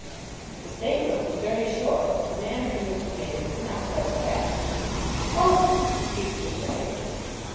The statement was very short, but the manner in which he made it was not without effect. "Oh!" shrieked his wife.